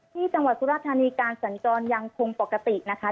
ที่จังหวัดสุราธานีการสัญจรยังคงปกตินะคะ